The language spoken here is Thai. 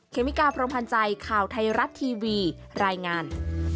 เมกาพรมพันธ์ใจข่าวไทยรัฐทีวีรายงาน